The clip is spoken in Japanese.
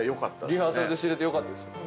リハーサルで知れてよかったですよね。